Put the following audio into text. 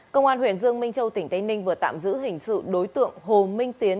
công an huyện dương minh châu tỉnh tây ninh vừa tạm giữ hình sự đối tượng hồ minh tiến